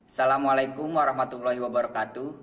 assalamualaikum warahmatullahi wabarakatuh